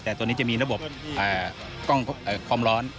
แต่ตัวนี้จะมีระบบกล้องความร้อน